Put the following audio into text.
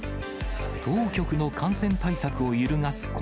当局の感染対策を揺るがす